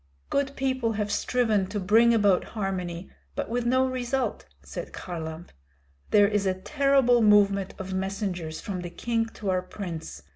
"Good people have striven to bring about harmony, but with no result," said Kharlamp. "There is a terrible movement of messengers from the king to our prince.